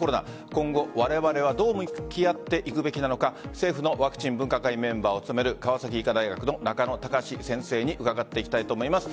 今後、われわれはどう向き合っていくべきなのか政府のワクチン分科会メンバーを務める川崎医科大学の中野貴司先生に伺っていきたいと思います。